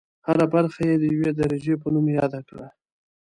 هره برخه یې د یوې درجې په نوم یاده کړه.